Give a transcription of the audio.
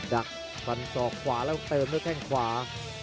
ดักฟันยุกต์ออกขวาเติมในแค่งขวา